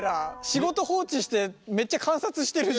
仕事放置してめっちゃ観察してる。